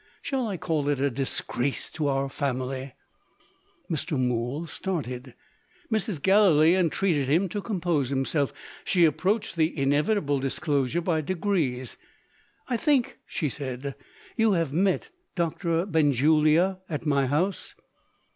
"Shall I call it a disgrace to our family?" Mr. Mool started. Mrs. Gallilee entreated him to compose himself; she approached the inevitable disclosure by degrees. "I think," she said, "you have met Doctor Benjulia at my house?"